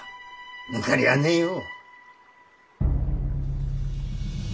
抜かりはねえよ。